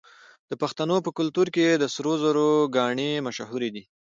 د پښتنو په کلتور کې د سرو زرو ګاڼې مشهورې دي.